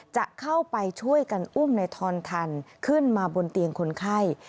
จะเข้าไปช่วยกันอุ้มในทอนทันขึ้นมาบนเตียงคนไข้